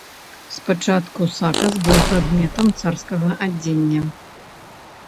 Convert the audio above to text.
Спачатку сакас быў прадметам царскага адзення.